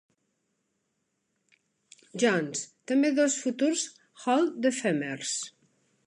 Jones, també dos futurs Hall-de-Famers.